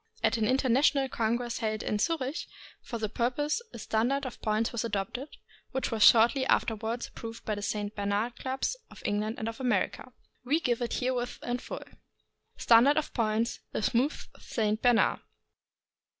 At an international congress held in Zurich for the pur pose, a standard of points was adopted, which was shortly afterward approved by the St. Bernard clubs of England and of America. We give it herewith in full. STANDARD OF POINTS — THE SMOOTH ST. BERNARD.